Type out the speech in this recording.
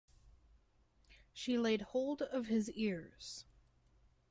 She laid hold of his ears.